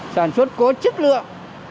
sản xuất có chất lượng